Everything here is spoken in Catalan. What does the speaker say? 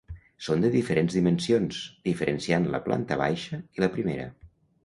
Són de diferents dimensions, diferenciant la planta baixa i la primera.